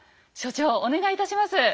所長お願いいたします。